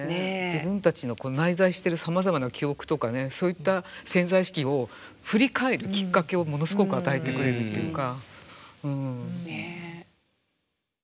自分たちの内在してるさまざまな記憶とかねそういった潜在意識を振り返るきっかけをものすごく与えてくれるっていうか。